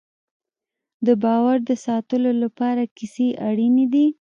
د باور د ساتلو لپاره کیسې اړینې دي.